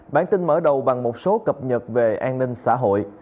bản tin mở đầu bằng một số cập nhật về an ninh xã hội